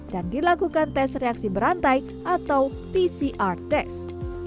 dan dilakukan tes reaksi berantai atau pcr test